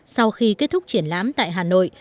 sau khi kết thúc triển lãm tại hà nội